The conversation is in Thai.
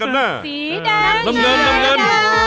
สีน้ำเงิน